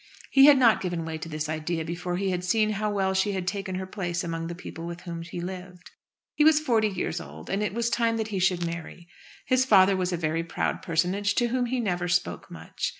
He had not given way to this idea before he had seen how well she had taken her place among the people with whom he lived. He was forty years old, and it was time that he should marry. His father was a very proud personage, to whom he never spoke much.